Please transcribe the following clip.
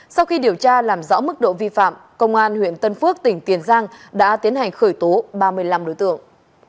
sau khi điều tra làm rõ mức độ vi phạm công an huyện tân phước tỉnh tiền giang đã tiến hành khởi tố ba mươi năm đối tượng